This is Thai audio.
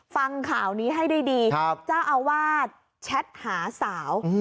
ฟังข่าวนี้ให้ได้ดีเจ้าอาวาสแชทหาสาว